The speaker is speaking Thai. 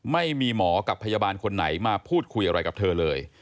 ไม่มีหมอกับพยาบาลคนไหนมาพูดคุยอะไรกับเธอเลย